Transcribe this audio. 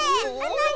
なに？